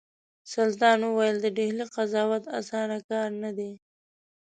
سلطان ویل د ډهلي قضاوت اسانه کار نه دی.